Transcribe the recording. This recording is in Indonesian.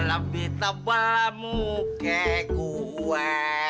lebih tebal muka gue